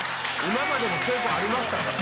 今までも成功ありましたから。